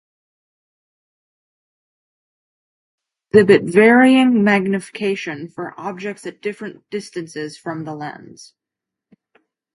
Non-telecentric lenses exhibit varying magnification for objects at different distances from the lens.